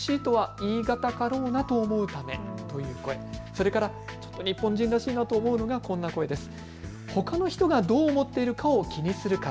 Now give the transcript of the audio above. それから日本人らしいなと思うのはこんな声です。